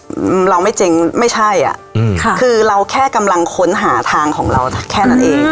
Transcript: อืมเราไม่เจ๊งไม่ใช่อ่ะอืมค่ะคือเราแค่กำลังค้นหาทางของเราแค่นั้นเอง